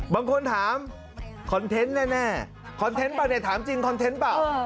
บางคนถามคอนเทนต์แน่คอนเทนต์เปล่าเนี่ยถามจริงคอนเทนต์เปล่า